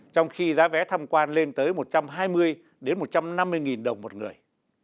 trong khi giá vé tham quan lên tới một trăm hai mươi một trăm năm mươi đồng một người